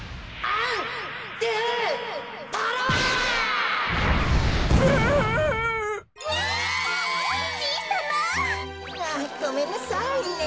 あっごめんなさいね。